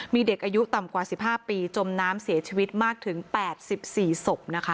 มีเด็กอายุต่ำกว่า๑๕ปีจมน้ำเสียชีวิตมากถึง๘๔ศพนะคะ